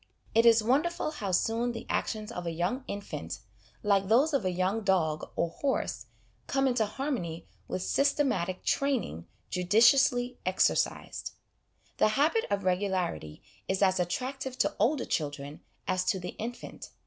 It is wonderful how soon the actions of a young infant (like those of a young dog or horse) come into harmony with systematic ' training ' judiciously exer cised." The habit of regularity is as attractive to older children as to the infant.